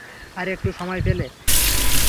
আর একটু সময় পেলে।